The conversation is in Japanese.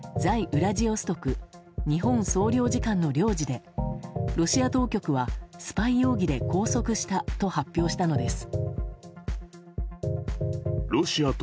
ウラジオストク日本総領事館の領事でロシア当局はスパイ容疑で拘束したと発表したのです。